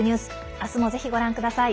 明日も、ぜひご覧ください。